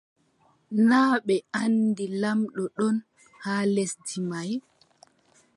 Naa ɓe anndi lamɗo ɗon haa lesdi may ?